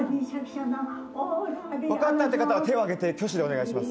分かったという方は手を挙げて挙手でお願いします。